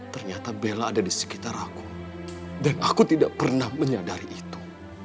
ternyata bella ada di sekitar aku dan aku tidak pernah menyadari itu